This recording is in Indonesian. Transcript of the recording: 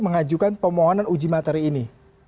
mengajukan permohonan uji materi ini